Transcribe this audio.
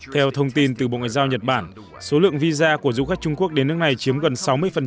theo thông tin từ bộ ngoại giao nhật bản số lượng visa của du khách trung quốc đến nước này chiếm gần sáu mươi